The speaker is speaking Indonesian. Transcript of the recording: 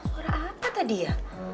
suara apa tadi ya